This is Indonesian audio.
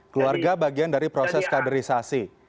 keluarga bagian dari proses kaderisasi